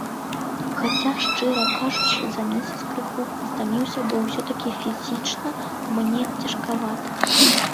Хаця, шчыра кажучы, за месяц крыху стаміўся, бо ўсё-такі фізічна мне цяжкавата.